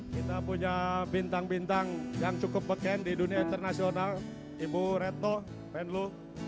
kita punya bintang bintang yang cukup beken di dunia internasional ibu reto band lu